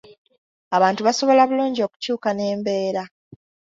Abantu basobola bulungi okukyuka n’embeera.